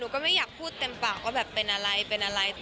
ก็ไม่อยากพูดเต็มปากว่าแบบเป็นอะไรเป็นอะไร